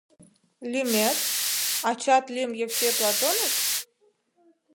— Лӱмет, ачат лӱм Евсей Платоныч?